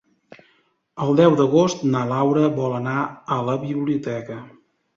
El deu d'agost na Laura vol anar a la biblioteca.